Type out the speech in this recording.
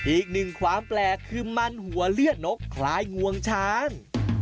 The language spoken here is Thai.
อีกหนึ่งความแปลกคือมันหัวเลือดนกคล้ายงวงช้าง